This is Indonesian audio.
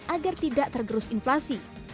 agar tidak tergerus inflasi